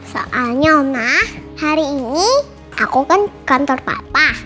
soalnya oma hari ini aku kan kantor papa